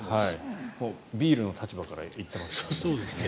ビールの立場から言ってますね。